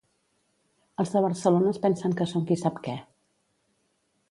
Els de Barcelona es pensen que són qui sap què.